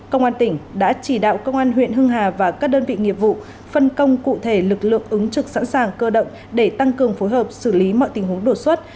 công an tỉnh đã chỉ đạo công an huyện hưng hà và các đơn vị nghiệp vụ phân công cụ thể lực lượng ứng trực sẵn sàng cơ động để tăng cường phối hợp xử lý mọi tình huống đột xuất